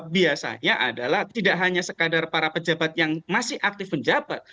biasanya adalah tidak hanya sekadar para pejabat yang masih aktif menjabat